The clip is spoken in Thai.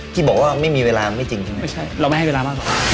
ที่บอกว่าไม่มีเวลาไม่จริงใช่ไหม